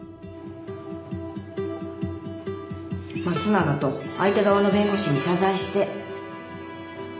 ⁉松永と相手側の弁護士に謝罪して。